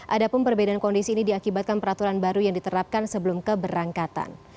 adapun perbedaan kondisi ini diakibatkan peraturan baru yang diterapkan sebelum keberangkatan